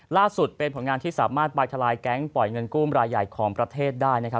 ล่าสุดเป็นผลงานที่สามารถไปทลายแก๊งปล่อยเงินกู้มรายใหญ่ของประเทศได้นะครับ